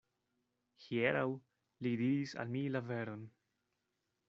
Hieraŭ li diris al mi la veron.